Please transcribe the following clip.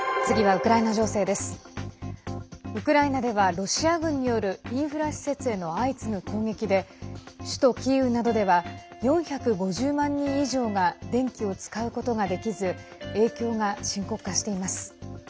ウクライナではロシア軍によるインフラ施設への相次ぐ攻撃で首都キーウなどでは４５０万人以上が電気を使うことができず影響が深刻化しています。